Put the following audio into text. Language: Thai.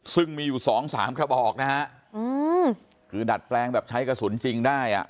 ซึ่งมีอยู่๒๓ขบอกนะฮะคือดัดแปลงแบบใช้กระสุนจริงได้